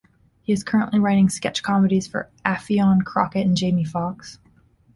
He is currently writing sketch comedies for Affion Crocket and Jamie Foxx.